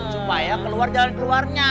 supaya keluar jalan keluarnya